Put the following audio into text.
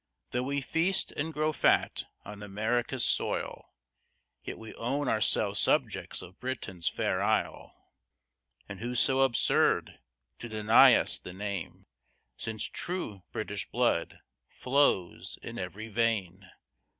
Tho' we feast and grow fat on America's soil, Yet we own ourselves subjects of Britain's fair isle; And who's so absurd to deny us the name, Since true British blood flows in every vein?